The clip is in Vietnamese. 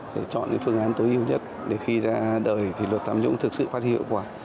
để chọn phương án tối ưu nhất để khi ra đời thì luật tạm nhũng thực sự phát huy hiệu quả